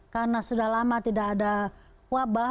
karena sudah lama tidak ada wabah